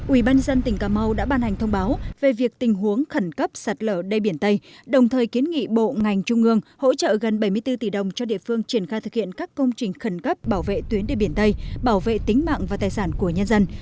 ủy ban dân tỉnh cà mau đã ban hành thông báo về việc tình huống khẩn cấp sạt lở đê biển tây đồng thời kiến nghị bộ ngành trung ương hỗ trợ gần bảy mươi bốn tỷ đồng cho địa phương triển khai thực hiện các công trình khẩn cấp bảo vệ tuyến đê biển tây bảo vệ tính mạng và tài sản của nhân dân